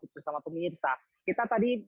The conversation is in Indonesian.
bersama pemirsa kita tadi